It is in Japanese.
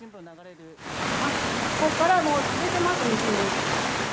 ここからもう続いてます、道に。